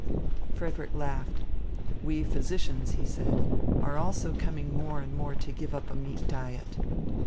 Frederick laughed. "We physicians," he said, "are also coming more and more to give up a meat diet."